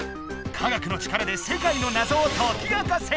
科学の力で世界のなぞをとき明かせ！